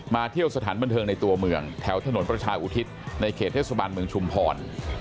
เที่ยวสถานบันเทิงในตัวเมืองแถวถนนประชาอุทิศในเขตเทศบาลเมืองชุมพร